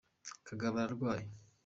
kagabo ararwaye